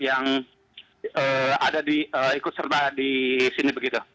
yang ikut serta di sini begitu